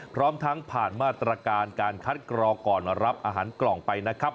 พร้อมทั้งผ่านมาตรการการคัดกรองก่อนรับอาหารกล่องไปนะครับ